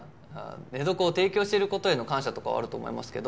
寝床を提供してる事への感謝とかはあると思いますけど。